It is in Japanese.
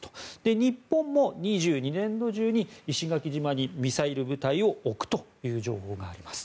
日本も２０２２年度中に石垣島にミサイル部隊を置くという情報があります。